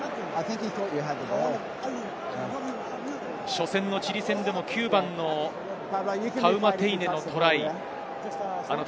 初戦のチリ戦でも９番のタウマテイネのトライ。